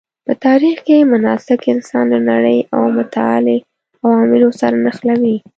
په تاریخ کې مناسک انسان له نړۍ او متعالي عوالمو سره نښلوي.